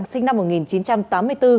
sinh năm một nghìn chín trăm tám mươi bốn